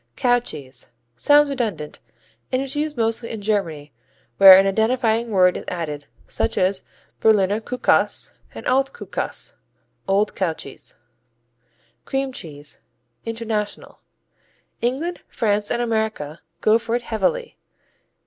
Cow cheese Sounds redundant, and is used mostly in Germany, where an identifying word is added, such as Berliner Kuhkäse and Alt Kuhkäse: old cow cheese. Cream cheese International England, France and America go for it heavily.